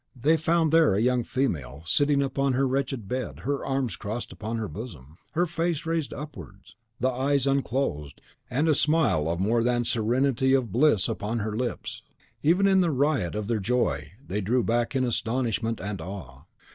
They found there a young female, sitting upon her wretched bed; her arms crossed upon her bosom, her face raised upward; the eyes unclosed, and a smile of more than serenity of bliss upon her lips. Even in the riot of their joy, they drew back in astonishment and awe.